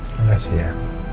terima kasih ya